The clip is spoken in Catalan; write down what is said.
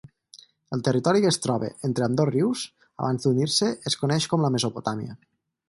El territori que es trobe entre ambdós rius, abans d'unir-se es coneix com la Mesopotàmia.